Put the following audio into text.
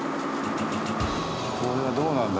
これはどうなんだ？